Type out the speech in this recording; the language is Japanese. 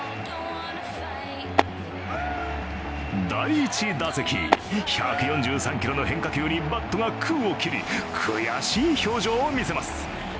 第１打席、１４３キロの変化球にバットが空を切り、悔しい表情を見せます。